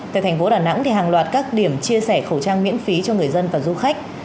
tại thành phố đà nẵng hàng loạt các điểm chia sẻ khẩu trang miễn phí cho người dân và du khách